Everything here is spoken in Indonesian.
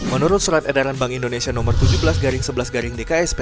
menurut surat edaran bank indonesia nomor tujuh belas garing dksp